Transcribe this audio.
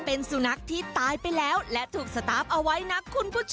เป็นสุนัขที่ตายไปแล้วและถูกสตาร์ฟเอาไว้นะคุณผู้ชม